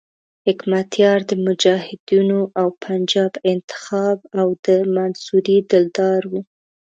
حکمتیار د مجاهدینو او پنجاب انتخاب او د منصوري دلدار وو.